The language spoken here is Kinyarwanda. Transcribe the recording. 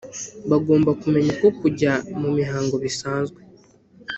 bagomba kumenya ko kujya mu mihango bisanzwe